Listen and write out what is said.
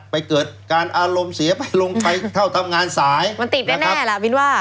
เกิดการอารมณ์เสียไปลงไปเท่าทำงานสายมันติดแน่แน่ล่ะบินว่า